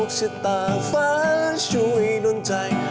ก้าวเบื้องก้าว